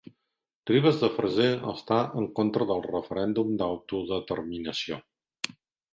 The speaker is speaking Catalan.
Ribes de Freser està en contra del referèndum d'autodeterminació